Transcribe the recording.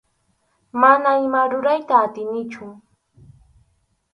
Mana ima rurayta atinichu.